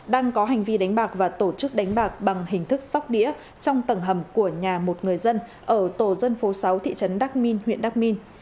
đang có hành vi đánh bạc và tổ chức đánh bạc bằng hình thức sóc đĩa trong tầng hầm của nhà một người dân ở tổ dân phố sáu thị trấn đắc minh huyện đắc minh